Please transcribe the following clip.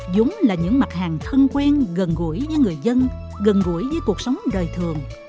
dũng là những mặt hàng thân quen gần gũi với người dân gần gũi với cuộc sống đời thường